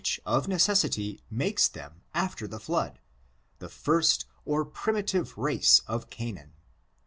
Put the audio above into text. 67 of necessity, makes them, after the flood, the first or the primitive race of Canaan.